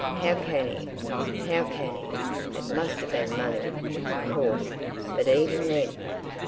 How can he, how can he? It must have been money, of course, but even then!